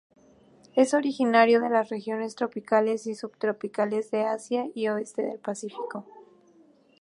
Es originario de las regiones tropicales y subtropicales de Asia y oeste del Pacífico.